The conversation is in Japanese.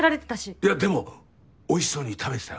いやでも美味しそうに食べてたよ？